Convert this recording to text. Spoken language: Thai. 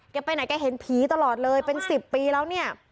ไปไหนแกเห็นผีตลอดเลยเป็น๑๐ปีแล้วเนี่ย